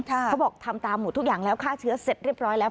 เขาบอกทำตามหมดทุกอย่างแล้วฆ่าเชื้อเสร็จเรียบร้อยแล้ว